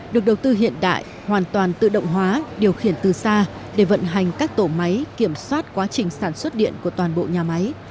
được đầu tư hiện đại hoàn toàn tự động hóa điều khiển từ xa để vận hành các tổ máy kiểm soát quá trình sản xuất điện của toàn bộ nhà máy